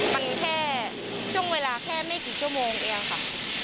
มันแค่ช่วงเวลาแค่ไม่กี่ชั่วโมงเองค่ะ